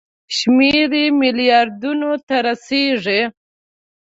شمېر یې ملیاردونو ته رسیږي.